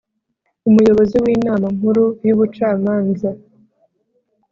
Umuyobozi w’ Inama Nkuru y’ Ubucamanza